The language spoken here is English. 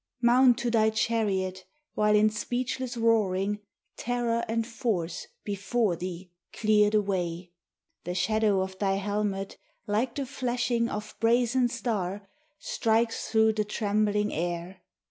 Mount to thy chariot, while in speechless roaring Terror and Force before thee clear the way! The shadow of thy helmet, like the flashing Of brazen star, strikes through the trembling air.